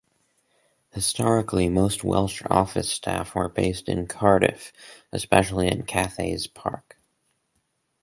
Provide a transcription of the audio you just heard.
Historically, most Welsh Office staff were based in Cardiff, especially in Cathays Park.